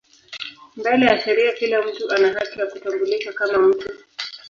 Mbele ya sheria kila mtu ana haki ya kutambulika kama mtu.